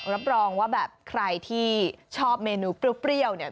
รับรองว่าแบบใครที่ชอบเมนูเปรี้ยวเนี่ย